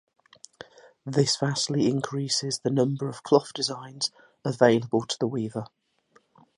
This vastly increases the number of cloth designs available to the weaver.